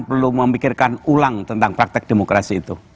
perlu memikirkan ulang tentang praktek demokrasi itu